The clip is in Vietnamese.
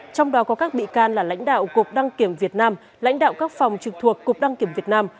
trong đó có các bị can là lãnh đạo cục đăng kiểm việt nam lãnh đạo các phòng trực thuộc cục đăng kiểm việt nam